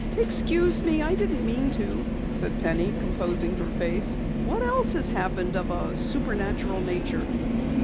"Excuse me, I didn't mean to," said Penny, composing her face. "What else has happened of a supernatural nature?"